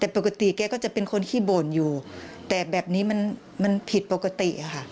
ปกติแกก็จะเป็นคนที่โบนแต่แบบนี้มันผิดปกติค่ะ